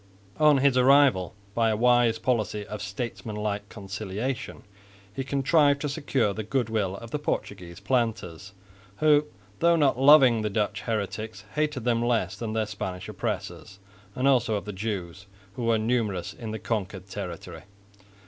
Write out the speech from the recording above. On his arrival, by a wise policy of statesmanlike conciliation, he contrived to secure the goodwill of the Portuguese planters, who, though not loving the Dutch heretics, hated them less than their Spanish oppressors, and also of the Jews, who were numerous in the conquered territory.